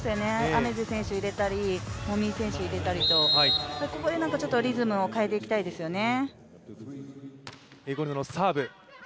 愛芽世選手を入れたり、籾井選手入れたりと、ここでリズムを変えていきたいですよね。